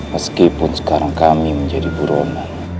meskipun sekarang kami menjadi buronan